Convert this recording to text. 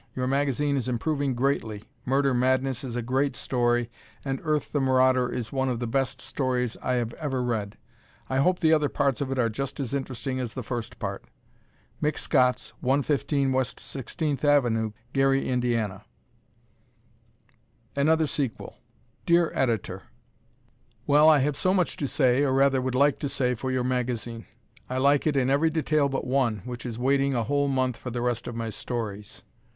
Your magazine is improving greatly. "Murder Madness" is a great story, and "Earth, the Marauder," is one of the best stories I have ever read. I hope the other parts of it are just as interesting as the first part. Mick Scotts, 115 W. 16th Ave., Gary, Indiana. Another Sequel Dear Editor: Well, I have so much to say, or rather would like to say for your magazine. I like it in every detail but one, which is waiting a whole month for the rest of my stories.